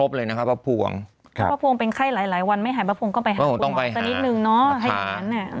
มีคนถามพี่หนูมาว่า